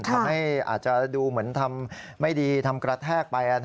อาจจะดูเหมือนทำไม่ดีทำกระแทกไป